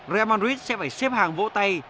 real madrid sẽ phải xếp hàng vỗ tay